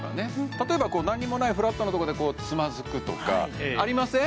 例えば何にもないフラットなとこでつまずくとかありません？